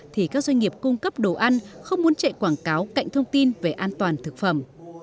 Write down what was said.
thì các doanh nghiệp cung cấp đồ ăn không muốn chạy quảng cáo cạnh thông tin về an toàn thực phẩm